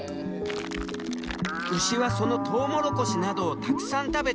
牛はそのトウモロコシなどをたくさん食べて育つ。